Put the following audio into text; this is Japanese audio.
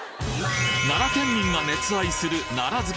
奈良県民が熱愛する奈良漬